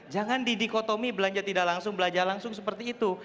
jangan di dikotomi belanja tidak langsung belanja langsung seperti itu